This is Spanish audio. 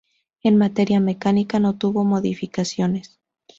En materia mecánica no tuvo modificaciones.